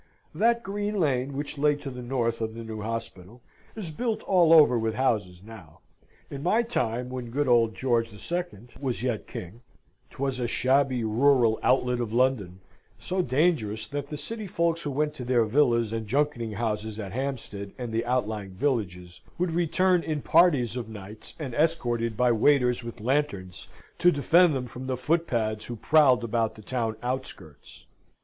That Green Lane, which lay to the north of the new hospital, is built all over with houses now. In my time, when good old George II. was yet king, 'twas a shabby rural outlet of London; so dangerous, that the City folks who went to their villas and junketing houses at Hampstead and the outlying villages, would return in parties of nights, and escorted by waiters with lanthorns, to defend them from the footpads who prowled about the town outskirts.